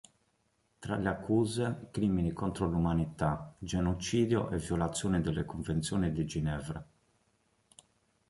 Tra le accuse, crimini contro l'umanità, genocidio e violazioni delle Convenzioni di Ginevra.